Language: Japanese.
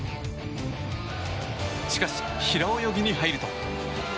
しかし、平泳ぎに入ると。